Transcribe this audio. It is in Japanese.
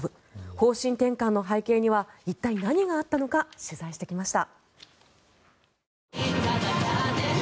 方針転換の背景には一体何があったのか取材してきました。